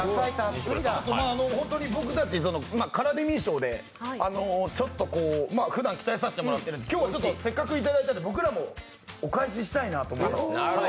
本当に僕たち、カラデミー賞でふだん鍛えさせてもらってるんで、今日はせっかくいただいたんで僕らもお返ししたいなと。